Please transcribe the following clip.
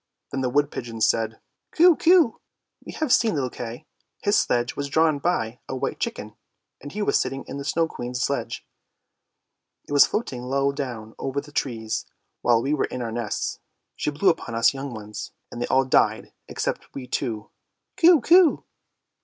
Then the wood pigeons said, " Coo, coo, we have seen little Kay, his sledge was drawn by a white chicken and he was sitting in the Snow Queen's sledge; it was floating low down over the trees, while we were in our nests. She blew upon us young ones, and they all died except we two; coo, coo."